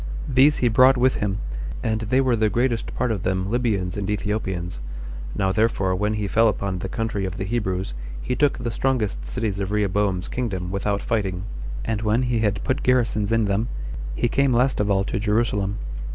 These he brought with him, and they were the greatest part of them Libyans and Ethiopians. Now therefore when he fell upon the country of the Hebrews, he took the strongest cities of Rehoboam's kingdom without fighting; and when he had put garrisons in them, he came last of all to Jerusalem.